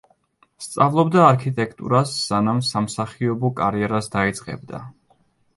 სწავლობდა არქიტექტურას სანამ სამსახიობო კარიერას დაიწყებდა.